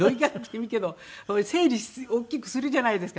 整理大きくするじゃないですか。